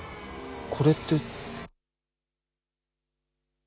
これって。